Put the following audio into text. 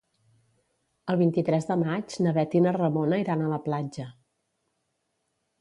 El vint-i-tres de maig na Bet i na Ramona iran a la platja.